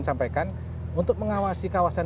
sampaikan untuk mengawasi kawasan